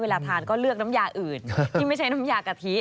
เวลาทานก็เลือกน้ำยาอื่นที่ไม่ใช่น้ำยากะทิ